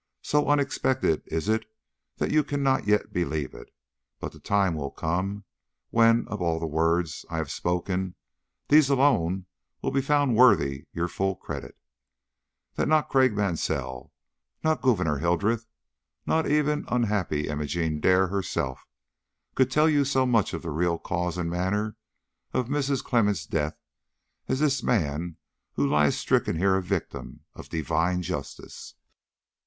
So unexpected is it that you cannot yet believe it, but the time will come when, of all the words I have spoken, these alone will be found worthy your full credit: that not Craik Mansell, not Gouverneur Hildreth, not even unhappy Imogene Dare herself, could tell you so much of the real cause and manner of Mrs. Clemmens' death as this man who lies stricken here a victim of Divine justice."